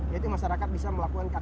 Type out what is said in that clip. jadi masyarakat bisa melakukan kegiatan